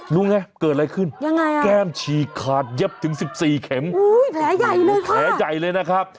รู้ไงเกิดอะไรขึ้นแก้มชีขาดเย็บถึง๑๔เข็มแผลใหญ่เลยค่ะ